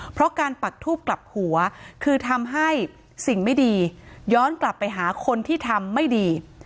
เพราะการปักทูบกลับหัวคือทำให้สิ่งไม่ดีย้อนกลับไปหาคนที่ทำไม่ดี